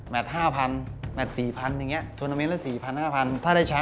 เยี่ยมก่อนเสร็จ